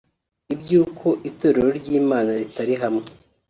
iby’uko Itorero ry’Imana ritari hamwe